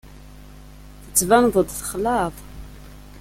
Tettbaneḍ-d txelɛeḍ.